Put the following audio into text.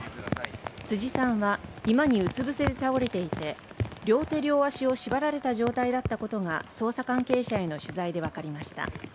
辻さんは居間にうつ伏せに倒れていて、両手両足を縛られた状態だったことが捜査関係者への取材でわかりました。